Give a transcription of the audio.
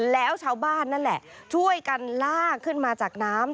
แล้วชาวบ้านนั่นแหละช่วยกันลากขึ้นมาจากน้ำ